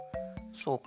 そうか。